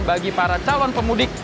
bagi para calon pemudik